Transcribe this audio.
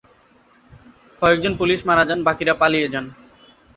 কয়েকজন পুলিশ মারা যান, বাকিরা পালিয়ে যান।